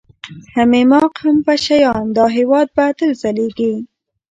هم ايـــماق و هم پـــشــه یــــیــان، دا هـــیــواد به تــل ځلــــــیــــږي